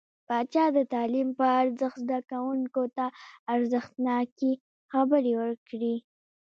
پاچا د تعليم په ارزښت، زده کوونکو ته ارزښتناکې خبرې وکړې .